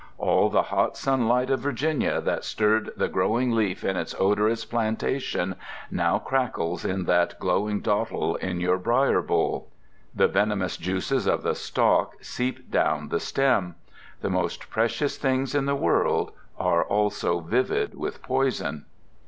All the hot sunlight of Virginia that stirred the growing leaf in its odorous plantation now crackles in that glowing dottel in your briar bowl. The venomous juices of the stalk seep down the stem. The most precious things in the world are also vivid with poison.